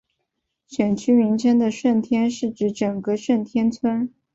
选区名称的顺天是指整个顺天邨。